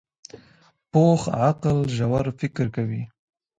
پوخ عقل ژور فکر کوي